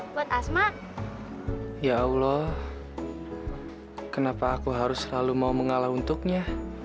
buat asma ya allah kenapa aku harus selalu mau mengalah untuknya